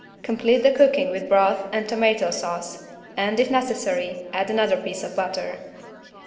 Complete the cooking with broth and tomato sauce and, if necessary, add another piece of butter.